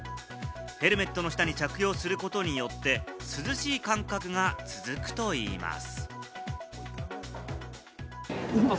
ヘルメットの下に着用することによって、涼しい感覚が続くといいます。